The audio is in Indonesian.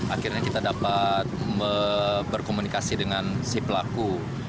akhirnya kita dapat berkomunikasi dengan si pelaku